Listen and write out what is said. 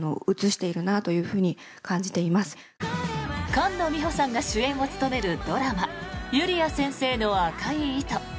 菅野美穂さんが主演を務めるドラマ「ゆりあ先生の赤い糸」。